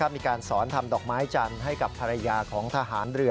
มีการสอนทำดอกไม้จันทร์ให้กับภรรยาของทหารเรือ